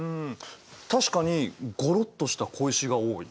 確かにゴロッとした小石が多い。